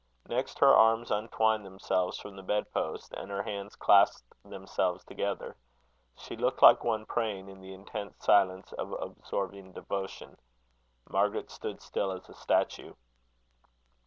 Next her arms untwined themselves from the bed post, and her hands clasped themselves together. She looked like one praying in the intense silence of absorbing devotion. Margaret stood still as a statue.